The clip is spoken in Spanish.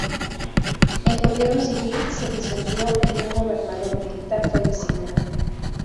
El gobierno civil se disolvió y un gobernador militar fue designado.